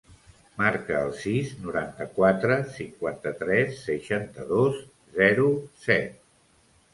Marca el sis, noranta-quatre, cinquanta-tres, seixanta-dos, zero, set.